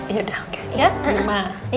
ya udah oke